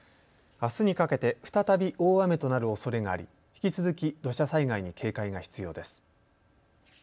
あすにかけて再び大雨となるおそれがあり引き続き土砂災害に警戒が必要です。